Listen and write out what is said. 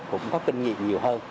cũng có kinh nghiệm nhiều hơn